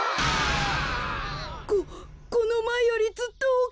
ここのまえよりずっとおおきいでごわす。